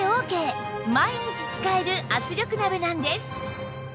毎日使える圧力鍋なんです